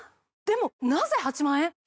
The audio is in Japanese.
でもなぜ８万円？